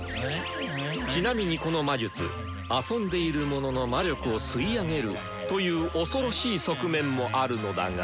ちなみにこの魔術「遊んでいる者の魔力を吸い上げる」という恐ろしい側面もあるのだが。